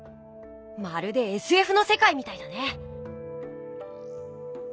まるでＳＦのせかいみたいだね。